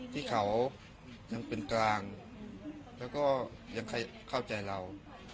ที่เขายังเป็นกลางแล้วก็ยังเข้าใจเรา